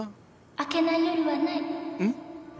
明けない夜はない。